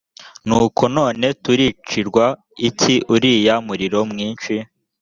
nuko none turicirwa iki uriya muriro mwinshi